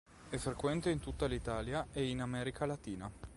È frequente in tutta l'Italia ed in America Latina.